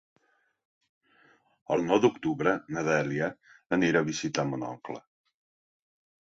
El nou d'octubre na Dèlia anirà a visitar mon oncle.